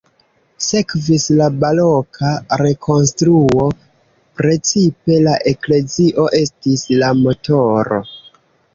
Sekvis la baroka rekonstruo, precipe la eklezio estis la motoro.